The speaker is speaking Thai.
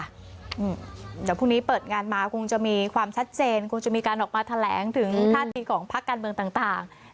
เดี๋ยวพรุ่งนี้เปิดงานมาคงจะมีความชัดเจนคงจะมีการออกมาแถลงถึงท่าทีของพักการเมืองต่าง